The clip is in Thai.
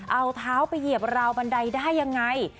เอาเท้าไปเหยียบราวบันไดได้ยังไง